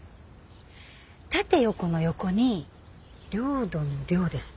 縦横の「横」に領土の「領」です。